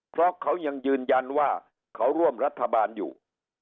เพราะเขายังยืนยันว่าเขาร่วมรัฐบาลอยู่